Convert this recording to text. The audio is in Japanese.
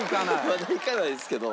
まだいかないですけど。